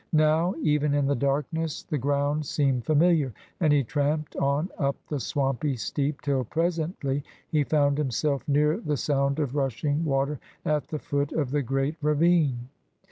Now, even in the darkness the ground seemed familiar, and he tramped on up the swampy steep till presently he found himself near the sound of rushing water at the foot of the great ravine.